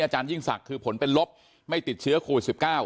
ยิ่งศักดิ์คือผลเป็นลบไม่ติดเชื้อโควิด๑๙